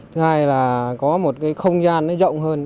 thứ hai là có một không gian rộng hơn